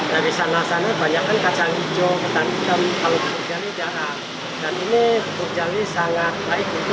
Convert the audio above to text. dari sana sana banyak kan kacang hijau betani hitam kalau bubur jali jarang dan ini bubur jali sangat baik untuk diminta oleh staf bubur jali sangat baik untuk diminta oleh staf